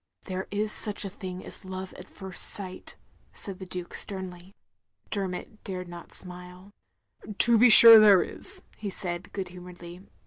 "There is such a thing as love at first sight," said the Duke, sternly. 282 THE LONELY LADY Dermot dared not smile. " To be sure there is, " he said, good humouredly